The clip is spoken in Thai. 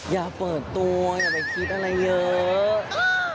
อย่าเปิดตัวอย่าไปคิดอะไรเยอะ